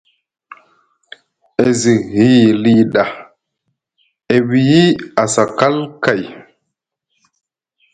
E zi hiy li ɗa, e wiyi asakal kay.